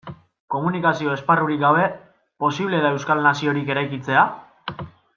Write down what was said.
Komunikazio esparrurik gabe, posible da euskal naziorik eraikitzea?